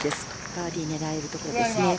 バーディー狙えるところです。